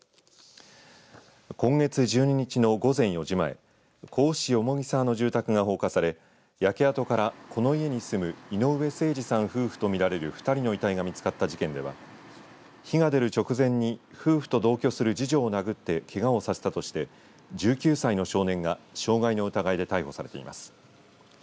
今月１２日の午前４時前甲府市蓬沢の住宅が放火され焼け跡からこの家に住む井上盛司さん夫婦とみられる２人の遺体が見つかった事件では火が出る直前に夫婦と同居する次女をなぐってけがをさせたとして１９歳の少年が傷害の疑いで逮捕されています。